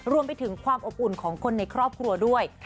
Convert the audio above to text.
รวมไปถึงความอบอุ่นของคนในครอบครัวด้วย